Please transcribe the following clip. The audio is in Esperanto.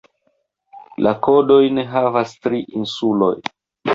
La kodojn havas tri insuloj.